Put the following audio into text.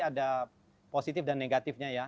ada positif dan negatifnya ya